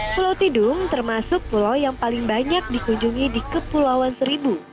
pulau tidung termasuk pulau yang paling banyak dikunjungi di kepulauan seribu